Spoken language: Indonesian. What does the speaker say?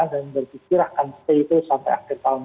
berpikir akan stay itu sampai akhir tahun